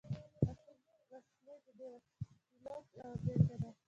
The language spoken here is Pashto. اتمي وسلې د دې وسلو یوه بیلګه ده.